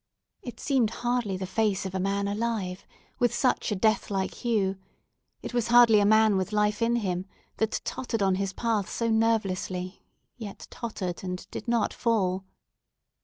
It seemed hardly the face of a man alive, with such a death like hue: it was hardly a man with life in him, that tottered on his path so nervously, yet tottered, and did not fall!